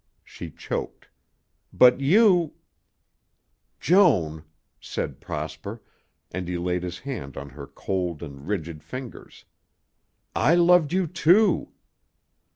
She choked. "But you " "Joan," said Prosper, and he laid his hand on her cold and rigid fingers, "I loved you too."